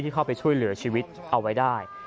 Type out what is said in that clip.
เข้าไปช่วยเหลือชีวิตเอาไว้ได้